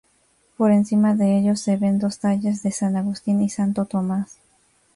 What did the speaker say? Por encima de ellos se ven dos tallas de san Agustín y santo Tomás.